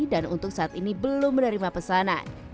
dan untuk saat ini belum menerima pesanan